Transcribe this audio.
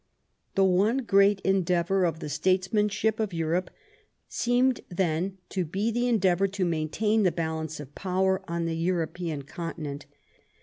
The one great endeavor of the statesmanship of Europe seemed then to be the endeavor to maintain the balance of power on the European continent.